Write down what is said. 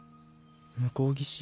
向こう岸？